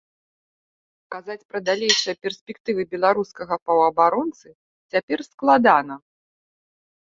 Казаць пра далейшыя перспектывы беларускага паўабаронцы цяпер складана.